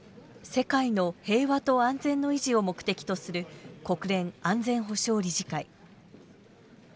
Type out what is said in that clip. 世界の平和と安全の維持を目的とする国連安全保障理事会。